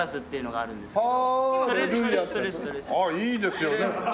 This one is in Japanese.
ああいいですよね。